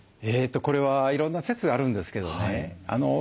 これはいろんな説があるんですけどね